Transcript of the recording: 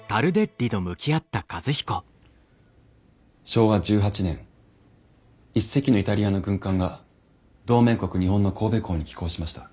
昭和１８年一隻のイタリアの軍艦が同盟国日本の神戸港に寄港しました。